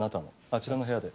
あちらの部屋で。